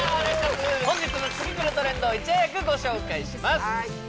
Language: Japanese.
本日も次くるトレンドをいち早くご紹介します